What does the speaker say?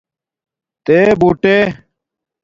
تے بوٹݻ